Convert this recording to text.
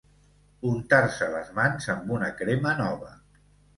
Untar-se les mans amb una crema nova.